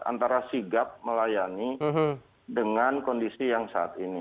antara sigap melayani dengan kondisi yang saat ini